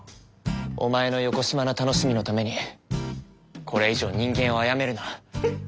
お前のよこしまな楽しみのためにこれ以上人間を殺めるな。